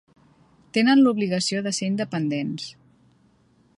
Tenen l'obligació de ser independents.